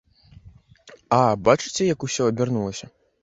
А бачыце, як усё абярнулася.